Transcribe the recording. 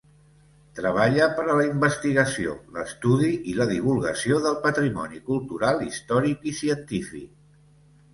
Treballa per a la investigació, l'estudi i la divulgació del patrimoni cultural, històric i científic.